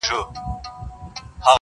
راوړي مزار ته خیام هر سړی خپل خپل حاجت,